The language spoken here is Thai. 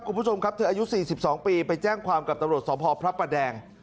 คุณผู้ชมครับเธออายุ๔๒ปีไปแจ้งความกับตำรวจสพพระประแดง